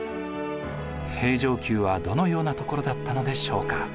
平城宮はどのようなところだったのでしょうか？